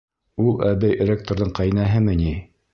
Ул әбей ректорҙың ҡәйнәһеме ни?